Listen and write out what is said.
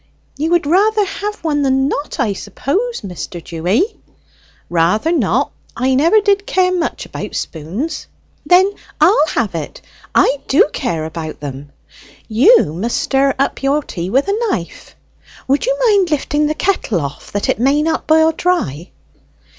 You would rather have one than not, I suppose, Mr. Dewy?" "Rather not. I never did care much about spoons." "Then I'll have it. I do care about them. You must stir up your tea with a knife. Would you mind lifting the kettle off, that it may not boil dry?"